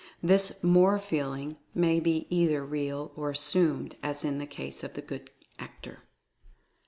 This "more feeling" may be either real or assumed, as in the case of the good actor.